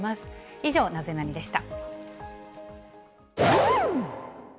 以上、ナゼナニっ？でした。